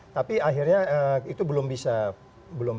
tapi akhirnya itu belum bisa